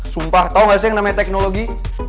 sumpah tau gak sih yang namanya teknologi